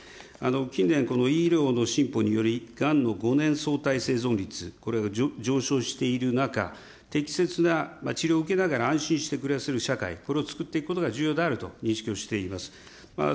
近年、この医療の進歩によりがんの５年そうたい生存率、これが上昇している中、適切な治療を受けながら安心して暮らせる社会、これを作っていくことが重要であると認識をしております。